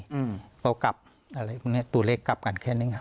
อืมเขากลับอะไรตัวเลขกลับกันแค่นี้ครับ